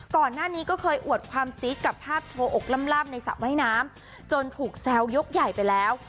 ก่อนหน้านี้ก็เคยอวดความซีดกับภาพโชว์อกล่ำในสระว่ายน้ำจนถูกแซวยกใหญ่ไปแล้ว